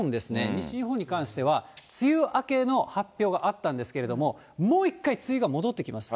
西日本に関しては、梅雨明けの発表があったんですけれども、もう一回、梅雨が戻ってきます。